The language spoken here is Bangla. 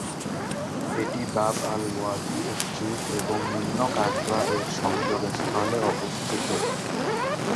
এটি বাব আল-ওয়াদি স্ট্রিট এবং নিম্ন কাসবাহ-এর সংযোগস্থলে অবস্থিত।